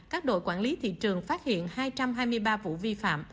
các đội quản lý thị trường phát hiện hai trăm hai mươi ba vụ vi phạm